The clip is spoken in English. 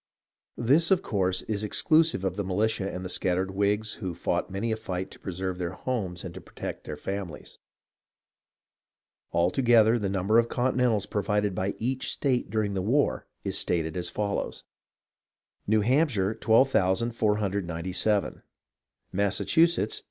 This, of course, is exclusive of the militia and the scattered Whigs, who fought many a fight to preserve their homes and to protect their families. All together, the number of Conti nentals provided by each state during the war is stated as follows :— Delaware 2,386 Maryland 13,912 Virginia 26,678 North Carolina ..